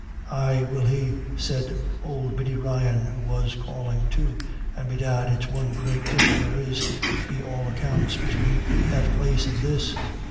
"Ay will he," said old Biddy Ryan, who was calling too, "and bedad it's one great differ there is, be all accounts, between that place and this.